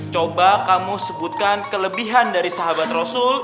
coba kamu sebutkan kelebihan dari sahabat rasul